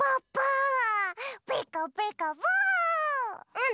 うん！